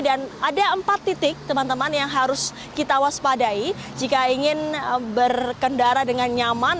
dan ada empat titik teman teman yang harus kita waspadai jika ingin berkendara dengan nyaman